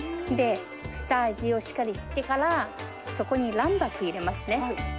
下味をしっかりしてから、そこに卵白入れますね。